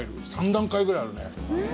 ３段階ぐらいあるね。